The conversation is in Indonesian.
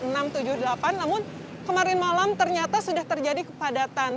namun kemarin malam ternyata sudah terjadi kepadatan